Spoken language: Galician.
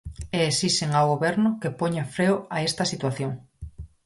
E esixen ao Goberno que poña freo a esta situación.